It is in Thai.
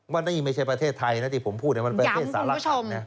ว่านี่ไม่ใช่ประเทศไทยนะที่ผมพูดมันประเทศสารคำนะ